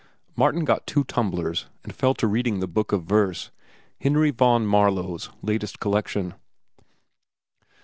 Martin got two tumblers, and fell to reading the book of verse, Henry Vaughn Marlow's latest collection.